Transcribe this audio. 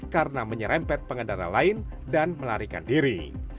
karena menyerempet pengendara lain dan melarikan diri